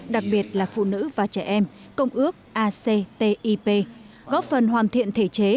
đặc biệt là phụ nữ và trẻ em công ước actip góp phần hoàn thiện thể chế